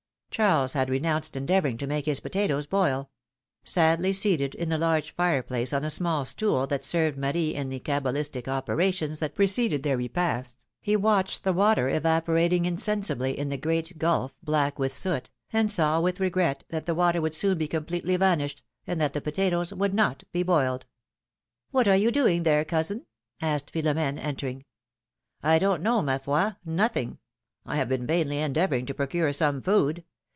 Charles had renounced endeavoring to make his potatoes boil ; sadly seated in the large fire place on a small stool that served Marie in the cabalistic operations that preceded their repasts, he watched the water evaporating insensibly in the great gulf black with soot, and saw with regret that the water would soon be completely vanished, and that the potatoes would not be boiled. What are you doing there, cousin?^' asked Philom^ne, entering. don't know, ma foil nothing. I have been vainly endeavoring to procure some food.